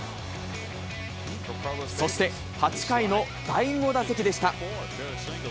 そして、８回の第５打席でした。